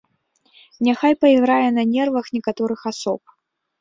Няхай пайграе на нервах некаторых асоб.